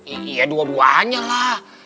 iya dua duanya lah